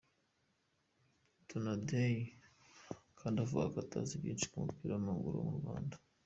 Donadei kandi avuga ko atazi byinshi ku mupira w’amaguru wo mu Rwanda.